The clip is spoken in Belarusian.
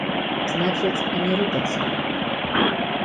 Значыць, і не рыпацца?